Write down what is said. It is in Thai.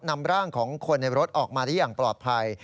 นำร่างของคนในรถออกมาได้อย่างปลอดภัย